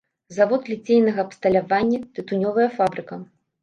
Завод ліцейнага абсталявання, тытунёвая фабрыка.